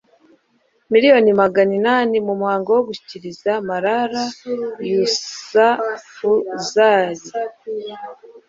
miriyoni magana inani. mu muhango wo gushyikiriza malala yousafuzayi